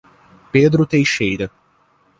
Pedro Teixeira